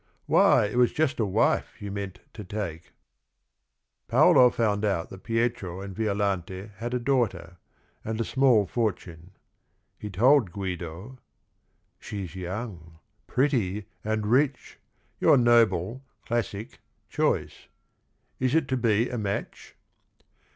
Why, it was just a wife you meant to take I' " Paolo found out that Pietro and Violante had a daughter, and a small fortune. He told Guido: "' She 's young, Pretty and rich; you 're noble, classic, choice. Is it to be a match?